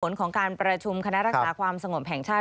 ผลของการประชุมคณะรักษาความสงบแห่งชาติ